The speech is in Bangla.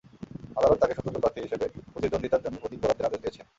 আদালত তাঁকে স্বতন্ত্র প্রার্থী হিসেবে প্রতিদ্বন্দ্বিতার জন্য প্রতীক বরাদ্দের আদেশ দিয়েছেন।